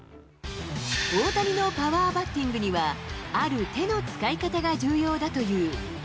大谷のパワーバッティングには、ある手の使い方が重要だという。